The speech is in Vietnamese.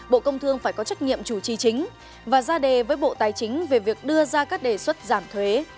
bộ công thương phải có trách nhiệm chủ trì chính và ra đề với bộ tài chính về việc đưa ra các đề xuất giảm thuế